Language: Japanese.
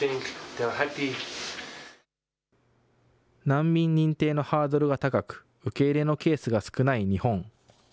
難民認定のハードルが高く、受け入れのケースが少ない日本。